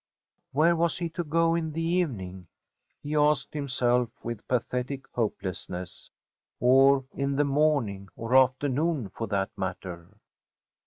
“Where was he to go in the evening?” he asked himself, with pathetic hopelessness, “or in the morning or afternoon for that matter?